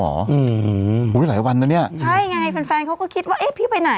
หือหรือหลายวันแล้วเนี่ยใช่ไงแฟนเขาก็คิดว่าไอ้พี่ไปไหน